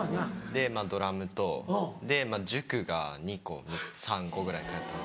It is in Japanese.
でドラムと塾が２個３個ぐらい通ってます。